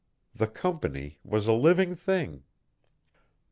The Company was a living thing.